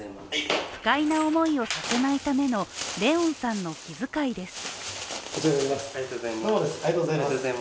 不快な思いをさせないための怜音さんの気遣いです。